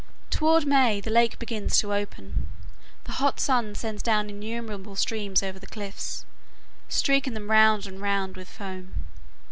Toward May, the lake begins to open. The hot sun sends down innumerable streams over the cliffs, streaking them round and round with foam.